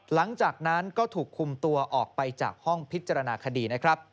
หลังจากนั้นก็ถูกคุมตัวออกไปจากห้องพิจารณาคดีนะครับ